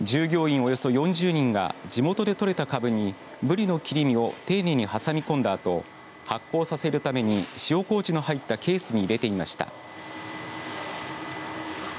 およそ４０人が地元で取れたかぶにぶりの切り身を丁寧に挟み込んだあとを発酵させるために塩こうじの入ったケースに入れていました。